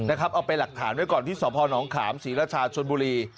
นะครับเอาเป็นหลักฐานไว้ก่อนที่สอบพ่อน้องขามศรีรชาชนบุรี